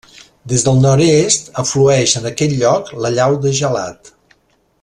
Des del nord-est, aflueix en aquest lloc la llau de Gelat.